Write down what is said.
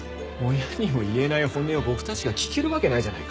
親にも言えない本音を僕たちが聞けるわけないじゃないか。